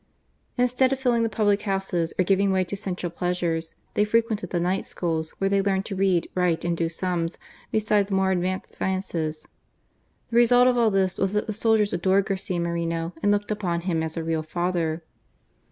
Instead of filling the public houses or giving way to sensual pleasures, they frequented the night schools, where they learned to read, write, and do sums, besides more advanced sciences. The result of all this was that the soldiers adored Garcia Moreno, and looked upon him as a real father.